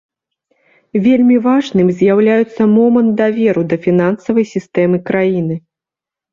Вельмі важным з'яўляецца момант даверу да фінансавай сістэмы краіны.